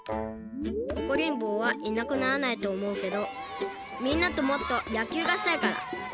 おこりんぼうはいなくならないとおもうけどみんなともっとやきゅうがしたいから。